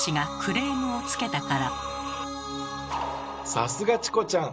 さすがチコちゃん！